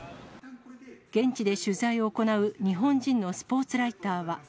現地で取材を行う日本人のスポーツライターは。